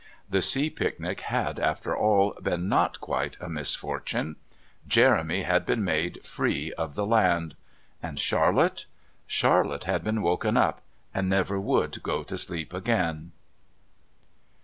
The sea picnic had, after all, been not quite a misfortune. Jeremy had been made free of the land. And Charlotte? Charlotte had been woken up, and never would go to sleep again.